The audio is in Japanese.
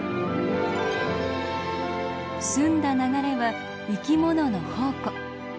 澄んだ流れは生きものの宝庫。